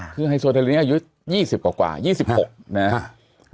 คือไฮโซเทลีอายุ๒๐กว่า๒๖นะครับ